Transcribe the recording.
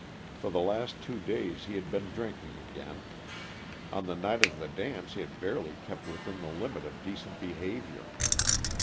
For the last two days he had been drinking again. On the night of the dance he had barely kept within the limit of decent behavior.